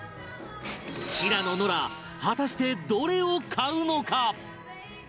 平野ノラ果たしてどれを買うのか？